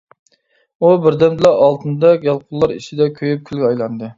ئۇ بىردەمدىلا ئالتۇندەك يالقۇنلار ئىچىدە كۆيۈپ كۈلگە ئايلاندى.